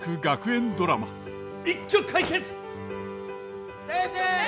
一挙解決！